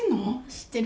知ってる。